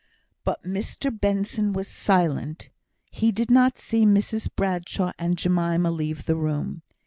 But Mr Benson was silent. He did not see Mrs Bradshaw and Jemima leave the room.